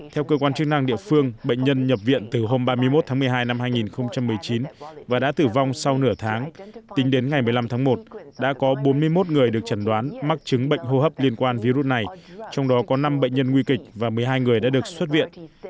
theo cơ quan chức năng địa phương bệnh nhân nhập viện từ hôm ba mươi một tháng một mươi hai năm hai nghìn một mươi chín và đã tử vong sau nửa tháng tính đến ngày một mươi năm tháng một đã có bốn mươi một người được chẩn đoán mắc chứng bệnh hô hấp liên quan virus này trong đó có năm bệnh nhân nguy kịch và một mươi hai người đã được xuất viện